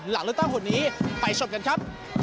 หลังเลือกตั้งคนนี้ไปชมกันครับ